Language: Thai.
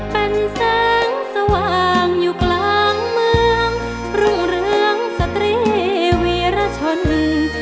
เป็นแสงสว่างอยู่กลางเมืองรุ่งเรืองสตรีวีรชน